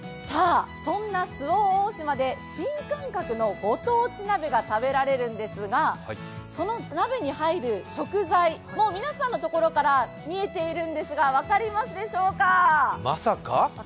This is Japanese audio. そんな周防大島で新感覚のご当地鍋が食べられるんですがその鍋に入る食材、もう皆さんのところから見えているんですが分かりますでしょうか。